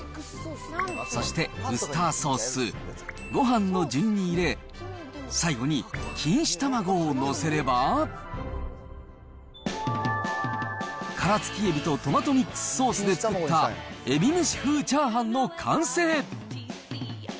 そして、ウスターソース、ごはんの順に入れ、最後に錦糸卵を載せれば、殻付きエビとトマトミックスソースで作った、えびめし風チャーハンの完成。